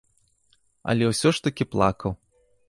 Але ўсё ж такі плакаў.